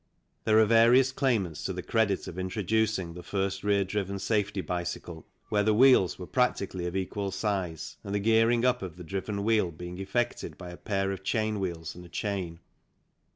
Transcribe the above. There are various claimants to the credit of intro ducing the first rear driven safety bicycle, where the wheels were practically of equal size and the gearing up of the driven wheel being effected by a pair of chain wheels and a chain.